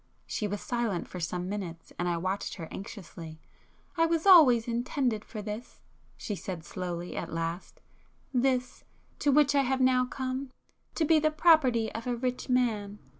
She was silent for some minutes, and I watched her anxiously. "I was always intended for this"—she said slowly at last,—"this, to which I have now come,—to be the property of a rich man.